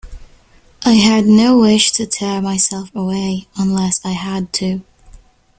I had no wish to tear myself away unless I had to.